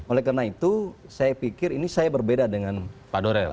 oleh karena itu saya pikir ini saya berbeda dengan pak dorel